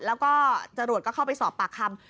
แล้วก็จรวดก็เข้าไปสอบปากคำ